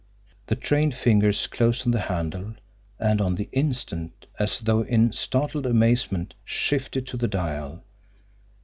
The trained fingers closed on the handle and on the instant, as though in startled amazement, shifted to the dial.